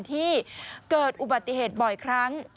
ที่เกิดอุบัติเหตุบ่อยครั้ง